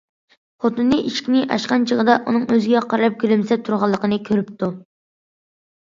خوتۇنى ئىشىكنى ئاچقان چېغىدا، ئۇنىڭ ئۆزىگە قاراپ كۈلۈمسىرەپ تۇرغانلىقىنى كۆرۈپتۇ.